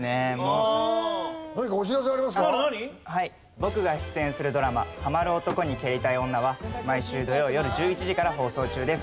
僕が出演するドラマ『ハマる男に蹴りたい女』は毎週土曜よる１１時から放送中です。